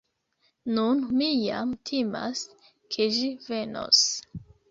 Nun mi jam timas ke ĝi venos.